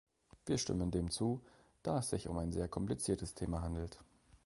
Wir stimmen dem zu, da es sich um ein sehr kompliziertes Thema handelt.